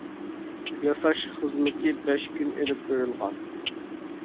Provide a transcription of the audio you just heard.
ياساش خىزمىتى بەش كۈن ئېلىپ بېرىلغان.